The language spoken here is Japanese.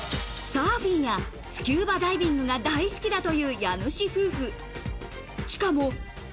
サーフィンやスキューバダイビングが大好きだという家主夫婦。